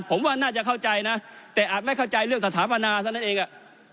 ผมว่าน่าจะเข้าใจนะแต่อาจไม่เข้าใจเรื่องสถาปนาเท่านั้นเองอ่ะ